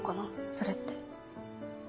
それって。